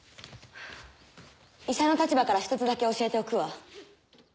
医者の立場から１つだけ教えておくわ。